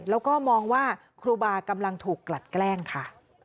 แล้วก็มองว่าครูบากำลังถูกกลัดแกล้งค่ะ